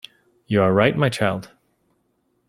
You are right, my child.